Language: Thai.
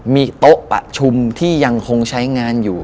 มีโต๊ะประชุมที่ยังคงใช้งานอยู่